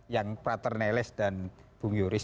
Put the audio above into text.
yang prater neles dan bung yoris